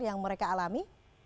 yang mereka alami